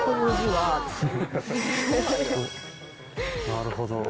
なるほど。